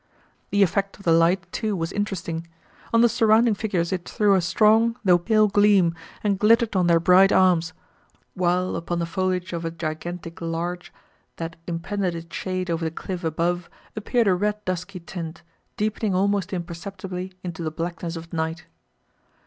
The effect of the light, too, was interesting; on the surrounding figures it threw a strong, though pale gleam, and glittered on their bright arms; while upon the foliage of a gigantic larch, that impended its shade over the cliff above, appeared a red, dusky tint, deepening almost imperceptibly into the blackness of night.